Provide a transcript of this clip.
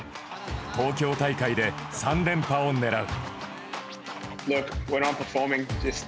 東京大会で３連覇を狙う。